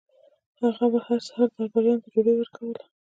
هغه به هر سهار درباریانو ته ډوډۍ ورکوله.